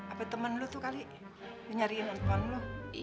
apa temen lo tuh kali nyariin orang tua lo